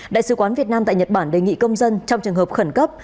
đại sứ quán việt nam tại nhật bản đề nghị công dân trong trường hợp khẩn cấp